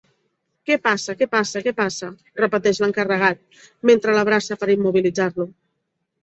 Què passa, què passa, què passa? —repeteix l'encarregat, mentre l'abraça per immobilitzar-lo.